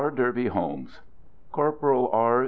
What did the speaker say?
DERBY HOLMES Corporal R.